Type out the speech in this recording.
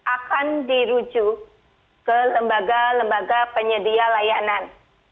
akan dirujuk ke lembaga lembaga penyedia layanan